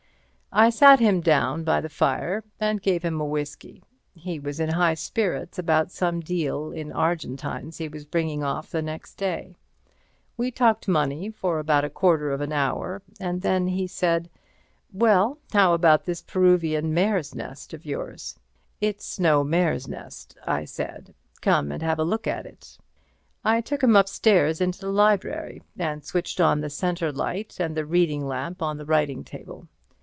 I sat him down by the fire, and gave him a whisky. He was in high spirits about some deal in Argentines he was bringing off the next day. We talked money for about a quarter of an hour and then he said: "Well, how about this Peruvian mare's nest of yours?" "It's no mare's nest," I said; "come and have a look at it." I took him upstairs into the library, and switched on the centre light and the reading lamp on the writing table.